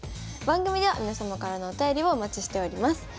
番組では皆様からのお便りをお待ちしております。